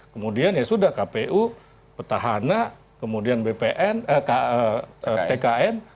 kemudian ya sudah kpu petahana kemudian bpn tkn